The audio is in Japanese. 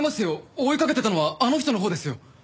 追いかけてたのはあの人のほうですよ。